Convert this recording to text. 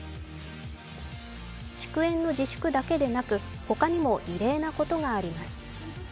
祝宴の自粛だけでなく他にも異例なことがあります。